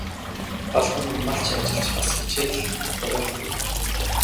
Балдан нь малч, ажилч, бас хичээл дугуйланд идэвхтэй.